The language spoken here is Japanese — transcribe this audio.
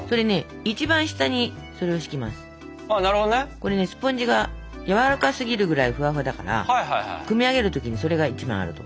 これねスポンジが柔らかすぎるぐらいふわふわだから組み上げる時にそれが１枚あると。